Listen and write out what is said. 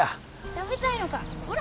食べたいのか？